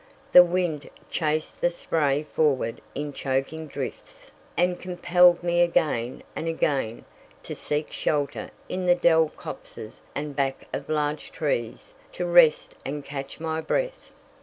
The wind chased the spray forward in choking drifts, and compelled me again and again to seek shelter in the dell copses and back of large trees to rest and catch my breath.